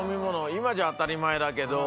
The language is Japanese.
今じゃ当たり前だけど。